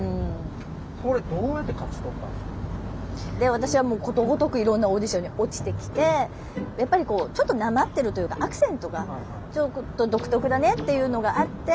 私はもうことごとくいろんなオーディションに落ちてきてやっぱりちょっとなまってるというかアクセントがちょっと独特だねっていうのがあって。